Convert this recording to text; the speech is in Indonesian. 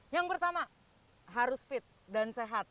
yang pertama harus fit dan sehat